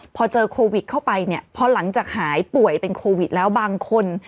พอเจอโควิดเข้าไปเนี่ยพอหลังจากหายป่วยเป็นโควิดแล้วบางคน